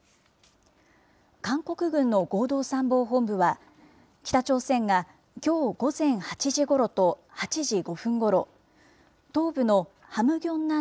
韓国軍の合同参謀本部は、北朝鮮がきょう午前８時ごろと８時５分ごろ、東部のハムギョン